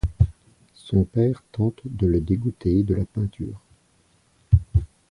Son père tente de le dégoûter de la peinture.